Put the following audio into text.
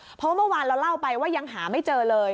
เพราะว่าเมื่อวานเราเล่าไปว่ายังหาไม่เจอเลย